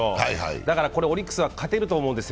だからオリックスは勝てると思うんです。